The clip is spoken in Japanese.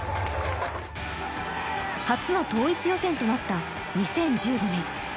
初の統一予選となった２０１５年。